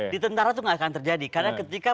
di tentara itu nggak akan terjadi karena ketika